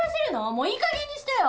もういい加減にしてよ！